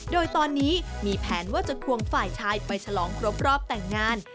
โดยตอนนี้มีแผนว่าจะควงฝ่ายชายไปฉลองครบรอบแต่งงาน